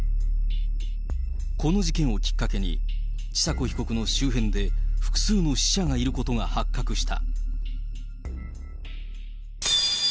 この事件をきっかけに、千佐子被告の周辺で複数の死者がいることが発覚した。